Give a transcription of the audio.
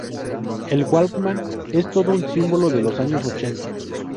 El Walkman es todo un símbolo de los años ochenta.